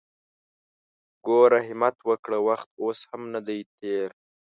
ګوره همت وکړه! وخت اوس هم ندی تېر!